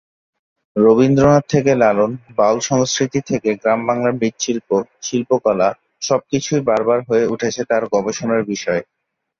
রবীন্দ্রনাথ থেকে লালন, বাউল সংস্কৃতি থেকে গ্রাম বাংলার মৃৎশিল্প, চিত্রকলা সবকিছুই বারবার হয়ে উঠেছে তার গবেষণার বিষয়।